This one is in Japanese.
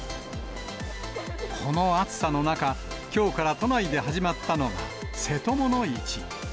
この暑さの中、きょうから都内で始まったのが、せともの市。